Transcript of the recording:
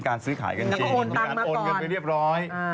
เขาโอนเงินไปเรียบร้อย